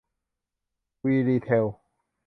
วีรีเทล